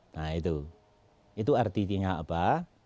nah itu itu artinya apa